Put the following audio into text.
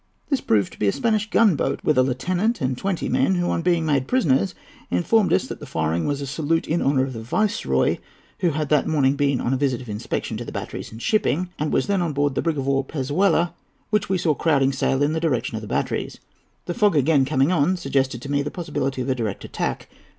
This proved to be a Spanish gunboat, with a lieutenant and twenty men, who, on being made prisoners, informed us that the firing was a salute in honour of the Viceroy, who had that morning been on a visit of inspection to the batteries and shipping, and was then on board the brig of war Pezuela, which we saw crowding sail in the direction of the batteries. The fog, again coming on, suggested to me the possibility of a direct attack.